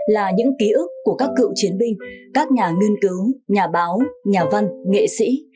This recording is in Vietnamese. là những ký ức của các cựu chiến binh các nhà nghiên cứu nhà báo nhà văn nghệ sĩ